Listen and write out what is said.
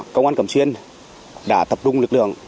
công an cẩm xuyên đã tập trung lực lượng